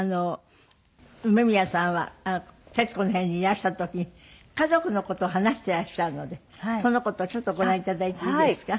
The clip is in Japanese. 梅宮さんは『徹子の部屋』にいらした時に家族の事を話していらっしゃるのでその事をちょっとご覧頂いていいですか？